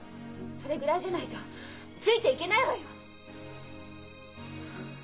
それぐらいじゃないとついていけないわよ！